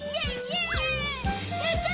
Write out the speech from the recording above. やった！